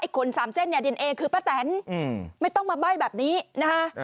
ไอ้ขนสามเส้นเนี้ยคือประแตนอืมไม่ต้องมาใบ้แบบนี้นะฮะ